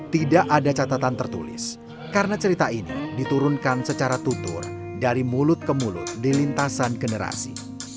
tidak ada catatan tertulis karena cerita ini diturunkan secara tutur dari mulut ke mulut di lintasan generasi